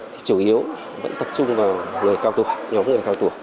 thì chủ yếu vẫn tập trung vào người cao tùa nhóm người cao tùa